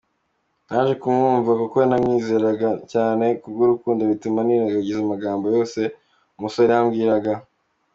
Naje kumwumva kuko namwizeraga cyane kubw’urukundo bituma nirengagiza amagambo yose uwo musore yambwiraga.